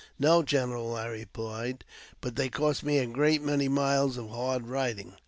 "No, general," I replied, "but they cost me a great many miles of hard riding."